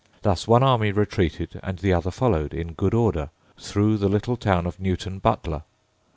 Thus one army retreated and the other followed, in good order, through the little town of Newton Butler.